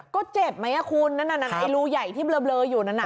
ก็เจ็บไหมครับคุณนั้นนั้นไอลูใหญ่ที่บละบละอยู่นั้นน่ะ